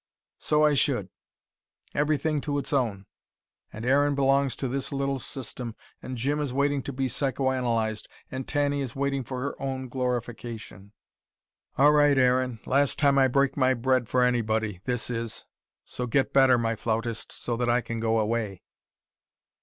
"So I should. Everything to its own. And Aaron belongs to this little system, and Jim is waiting to be psychoanalysed, and Tanny is waiting for her own glorification. "All right, Aaron. Last time I break my bread for anybody, this is. So get better, my flautist, so that I can go away.